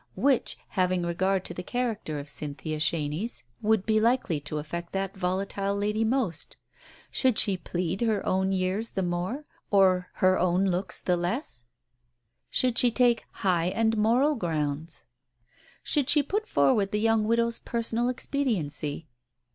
Which, having regard to the character of Cynthia Chenies, would be likely to affect that volatile lady most? Should she 73 Digitized by Google 74 TALES OF THE UNEASY plead her own years the more, her own looks the less ? Should she take high moral grounds ? Should she put forward the young widow's personal expediency